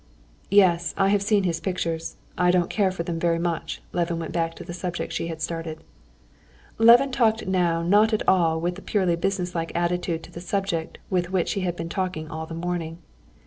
"Yes, I have seen his pictures. I didn't care for them very much," Levin went back to the subject she had started. Levin talked now not at all with that purely businesslike attitude to the subject with which he had been talking all the morning.